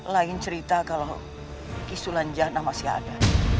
lain cerita kalau kisulan janah masih ada